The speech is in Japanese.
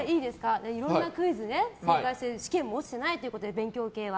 いろいろなクイズ試験も落ちてないということで勉強系は。